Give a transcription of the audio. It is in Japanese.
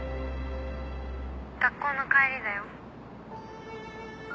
学校の帰りだよ。